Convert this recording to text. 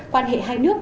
quan hệ hai nước